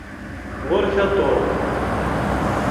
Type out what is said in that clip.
Ɣuṛ-k a Tom.